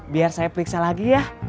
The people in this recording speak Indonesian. biar saya periksa lagi ya